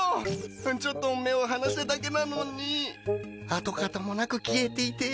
ちょっと目を離しただけなのに跡形もなく消えていて。